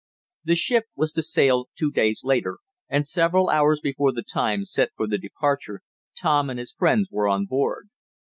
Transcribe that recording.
The ship was to sail two days later, and, several hours before the time set for the departure, Tom and his friends were on board.